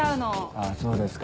あぁそうですか。